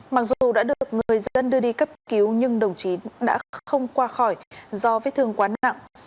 mặc dù đã được người dân đưa đi cấp cứu nhưng đồng chí đã không qua khỏi do vết thương quá nặng